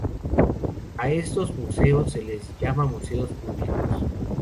A estos museos se les llama museos públicos.